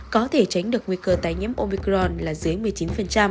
có thể tránh được nguy cơ tái nhiễm omicron là dưới một mươi chín